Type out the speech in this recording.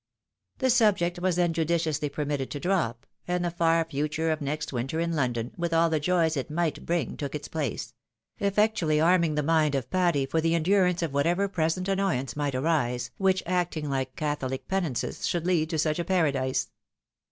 The subject was then judiciously permitted to drop, and the far future of next winter in London, with all the joys it might bring, took its place ; effectually arming the mind of Patty for the endurance of whatever present annoyance might arise, which, acting like catholic penances, should lead to such a paradise